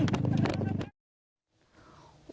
ศบ